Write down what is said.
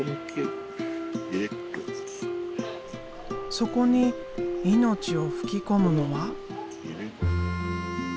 そこに命を吹き込むのは。